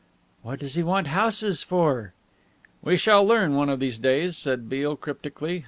"What does he want houses for?" "We shall learn one of these days," said Beale cryptically.